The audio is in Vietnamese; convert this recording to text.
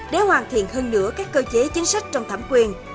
để hoàn thiện hơn nữa các cơ chế chính sách trong thẩm quyền